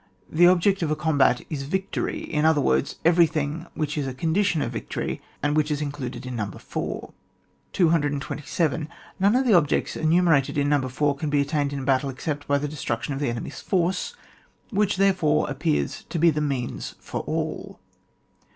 The object of a combat is victory ; in other words, everything which is a condition of victory, and which is included in No. 4. 227. None of the objects enumerated in No. 4 can be attained in battle, except by the destruction of the enemy's force, which, therefore, appears to be the means for all.